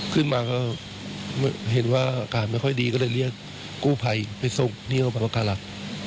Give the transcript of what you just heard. ขึ้นมาก็เห็นว่าอากาศไม่ค่อยดีก็เลยเรียกกู้ภัยไปส่งที่อบการหลัก